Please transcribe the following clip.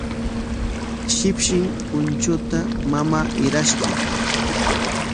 Shipshin punchuuta mamaa hirashqa.